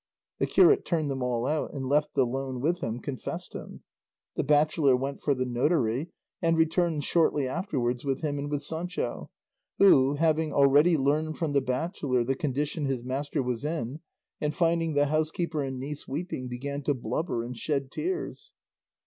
The curate turned them all out, and left alone with him confessed him. The bachelor went for the notary and returned shortly afterwards with him and with Sancho, who, having already learned from the bachelor the condition his master was in, and finding the housekeeper and niece weeping, began to blubber and shed tears.